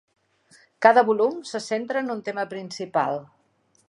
Cada volum se centra en un tema principal.